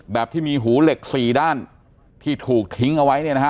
แบบที่มีหูเหล็กสี่ด้านที่ถูกทิ้งเอาไว้เนี่ยนะฮะ